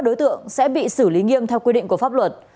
đối tượng sẽ bị xử lý nghiêm theo quy định của pháp luật